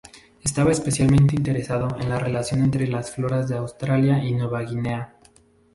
Estaba especialmente interesado en la relación entre las floras de Australia y Nueva Guinea.